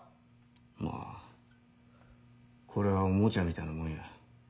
まぁこれはオモチャみたいなもんや。